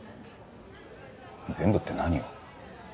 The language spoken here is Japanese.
全部って何を？